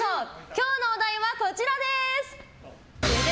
今日のお題はこちらです！